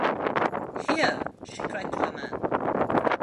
“Here!” she cried to a man.